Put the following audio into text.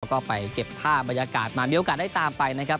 แล้วก็ไปเก็บภาพบรรยากาศมามีโอกาสได้ตามไปนะครับ